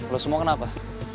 lo semua kenapa